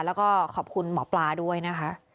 แล้วก็ขอบคุณหมอปลาด้วยนะคะ